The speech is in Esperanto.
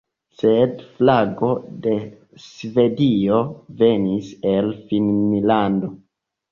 Sed flago de Svedio venis el Finnlando.